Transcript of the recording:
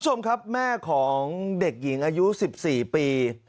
คุณผู้ชมครับแม่ของเด็กหญิงอายุ๑๔ปี